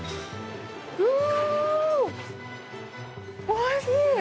おいしい。